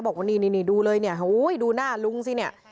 บอกว่านี่ดูเลยเนี่ยดูหน้าลุงสิเนี่ย